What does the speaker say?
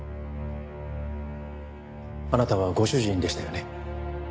あなたはご主人でしたよね？